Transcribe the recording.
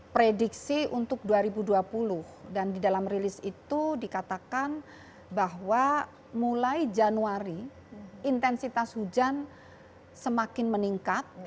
prediksi untuk dua ribu dua puluh dan di dalam rilis itu dikatakan bahwa mulai januari intensitas hujan semakin meningkat